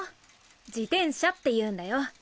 自転車っていうんだよ。